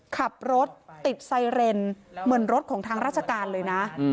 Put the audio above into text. ขับรถติดไซเรนเหมือนรถของทางราชการเลยนะ